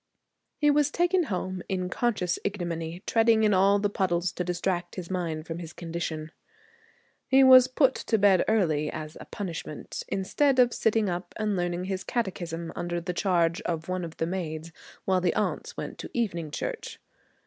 He was taken home in conscious ignominy, treading in all the puddles to distract his mind from his condition. He was put to bed early, as a punishment, instead of sitting up and learning his catechism under the charge of one of the maids while the aunts went to evening church.